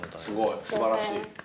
すごいすばらしい。